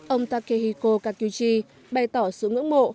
ông takehiko kakyuchi bày tỏ sự ngưỡng mộ